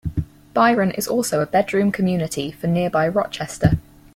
Byron is also a bedroom community for nearby Rochester.